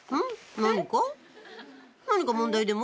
「何か問題でも？」